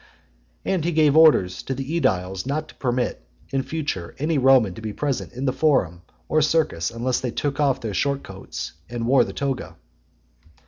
And he gave orders to the ediles not to permit, in future, any Roman to be present in the forum or circus unless they took off their short coats, and wore the toga.